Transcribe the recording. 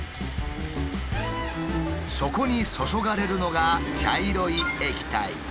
そこに注がれるのが茶色い液体。